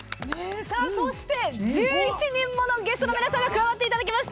そして１１人ものゲストの皆さんに加わっていただきました！